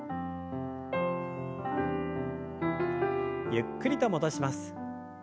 ゆっくりと戻します。